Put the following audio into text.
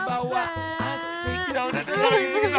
kamu yang ngerawat aja ya